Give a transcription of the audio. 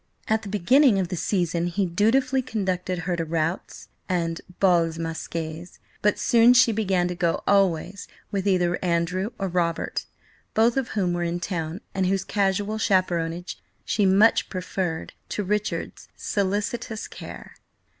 At the beginning of the season he dutifully conducted her to routs and bals masqués, but soon she began to go always with either Andrew or Robert, both of whom were in town, and whose casual chaperonage she much preferred to Richard's solicitous care.